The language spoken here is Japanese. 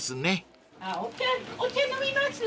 お茶飲みます？